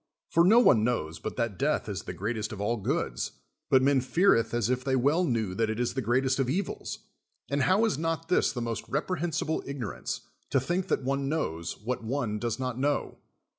I'"'nr no one knows but that death is the greatest THE WORLD'S FAMOUS ORATIONS of all goods; but men feareth as if they well knew that it is the greatest of evils. And how is not this the most reprehensible ignorance, to think that one knows what one does not know?